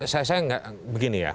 saya begini ya